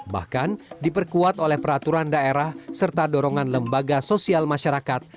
bahkan diperkuat oleh peraturan daerah serta dorongan lembaga sosial masyarakat